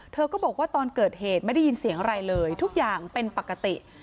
เธอก็บอกว่าตอนเกิดเหตุไม่ได้ยินเสียงอะไรเลยทุกอย่างเป็นปกติ